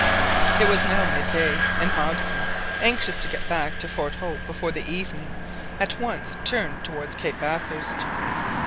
It was now mid day, and Hobson, anxious to get back to Fort Hope before the evening, at once turned towards Cape Bathurst.